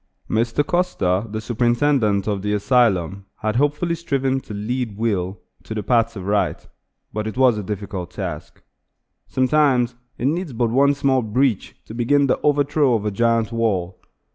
Mr. Custer, the superintendent of the asylum, had hopefully striven to lead Will to the paths of right; but it was a difficult task. Sometimes it needs but one small breach to begin the overthrow of a giant wall.